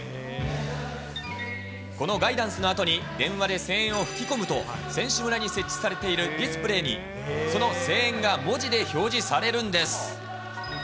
このガイダンスのあとに電話で声援を吹き込むと、選手村に設置されているディスプレーに、その声援が文字で表示されるんです。